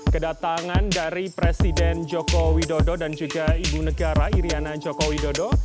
kedatangan dari presiden joko widodo dan juga ibu negara iryana joko widodo